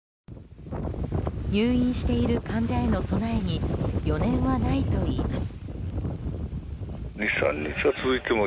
入院している患者への備えに余念はないといいます。